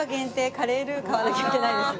カレールー買わなきゃいけないですね。